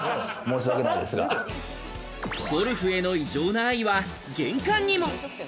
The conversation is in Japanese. ゴルフへの異常な愛は玄関にも。